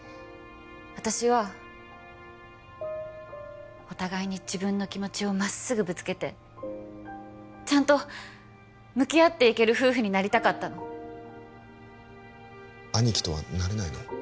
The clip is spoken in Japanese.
私はお互いに自分の気持ちをまっすぐぶつけてちゃんと向き合っていける夫婦になりたかったの兄貴とはなれないの？